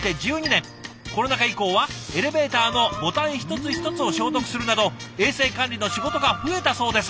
コロナ禍以降はエレベーターのボタン一つ一つを消毒するなど衛生管理の仕事が増えたそうです。